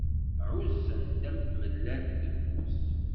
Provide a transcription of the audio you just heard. Ɛuzzen-t am tmellalt deg ufus.